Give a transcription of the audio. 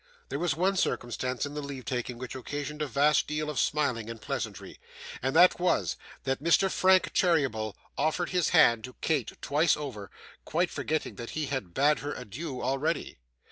There was one circumstance in the leave taking which occasioned a vast deal of smiling and pleasantry, and that was, that Mr Frank Cheeryble offered his hand to Kate twice over, quite forgetting that he had bade her adieu already.